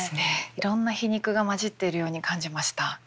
いろんな皮肉が交じっているように感じました。